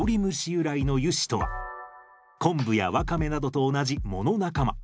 由来の油脂とはコンブやワカメなどと同じ藻の仲間